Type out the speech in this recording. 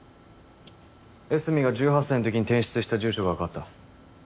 江角が１８歳の時に転出した住所がわかった。